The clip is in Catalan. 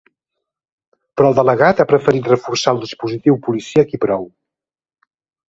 Però el delegat ha preferit reforçar el dispositiu policíac i prou.